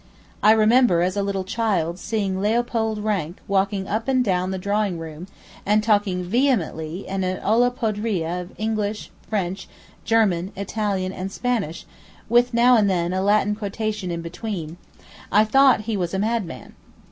I remember as a little child seeing Leopold Ranke walking up and down the drawing room, and talking vehemently in an olla podrida of English, French, German, Italian, and Spanish, with now and then a Latin quotation in between; I thought he was a madman.